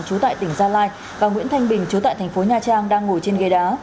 trú tại tỉnh gia lai và nguyễn thanh bình chú tại thành phố nha trang đang ngồi trên ghê đá